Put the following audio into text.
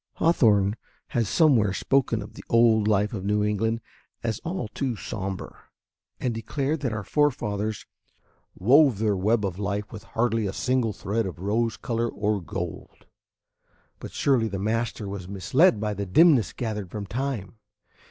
Hawthorne has somewhere spoken of the old life of New England as all too sombre, and declared that our forefathers "wove their web of life with hardly a single thread of rose color or gold;" but surely the master was misled by the dimness gathered from time.